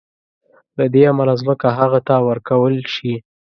له دې امله ځمکه هغه ته ورکول شي.